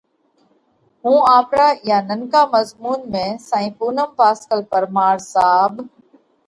هُون آپرا اِيئا ننڪا مضمُونَ ۾ سائين پُونم پاسڪل پرمار صاحب